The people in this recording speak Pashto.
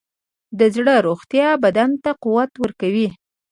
د زړه روغتیا بدن ته قوت ورکوي.